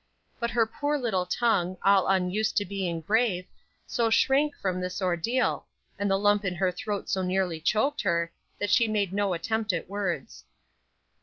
But her poor little tongue, all unused to being brave, so shrank from this ordeal, and the lump in her throat so nearly choked her, that she made no attempt at words.